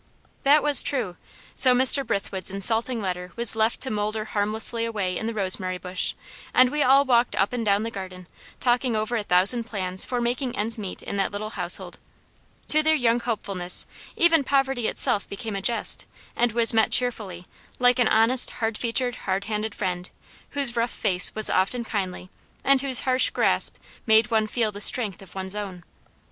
That was true. So Mr. Brithwood's insulting letter was left to moulder harmlessly away in the rosemary bush, and we all walked up and down the garden, talking over a thousand plans for making ends meet in that little household. To their young hopefulness even poverty itself became a jest; and was met cheerfully, like an honest, hard featured, hard handed friend, whose rough face was often kindly, and whose harsh grasp made one feel the strength of one's own.